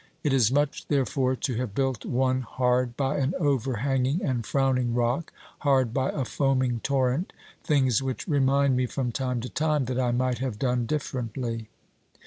It is much there fore to have built one hard by an overhanging and frowning rock, hard by a foaming torrent, things which remind me from time to time that I might have done differently.